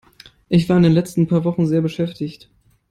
Ich war in den letzten paar Wochen sehr beschäftigt.